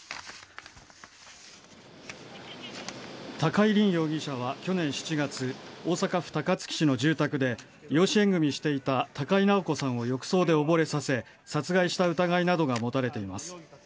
高井凜容疑者は去年７月大阪府高槻市の住宅で養子縁組していた高井直子さんを浴槽で溺れさせ殺害した疑いなどが持たれています。